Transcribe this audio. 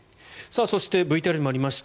そしてＶＴＲにもありました